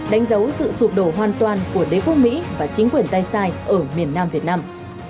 đánh dấu sự sụp đổ hoàn toàn của đế quốc mỹ và chính quyền tây sai ở miền nam việt nam